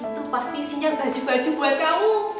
itu pasti sinyal baju baju buat kamu